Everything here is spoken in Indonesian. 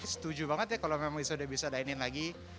setuju banget ya kalau memang bisa dainin lagi